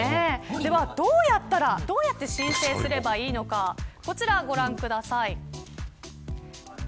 では、どうやって申請すればいいのかこちらをご覧ください。